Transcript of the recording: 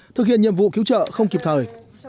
thực hiện nhiệm vụ cứu trợ không kịp thời